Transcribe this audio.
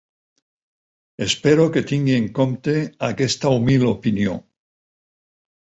Espero que tingui en compte aquesta humil opinió.